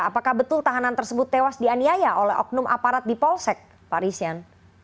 apakah betul tahanan tersebut tewas di aniaya oleh oknum aparat di polsek pak rishian